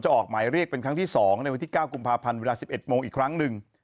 จะออกหมายเรียกเป็นครั้งที่๒ในวันที่๙กภว๑๑โมงอีกครั้งหนึ่ง